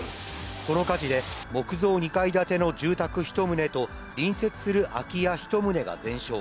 この火事で、木造２階建ての住宅１棟と隣接する空き家１棟が全焼。